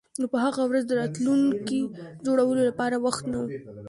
نو په هغه ورځ د راتلونکي جوړولو لپاره وخت نه و